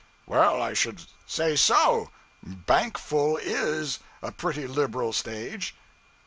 'Well, I should say so! Bank full is a pretty liberal stage.'